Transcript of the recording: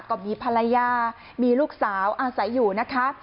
ก็มีภรรยามีลูกสาวอาศัยอยู่นะคะ